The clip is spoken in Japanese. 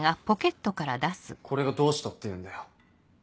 これがどうしたっていうんだよ。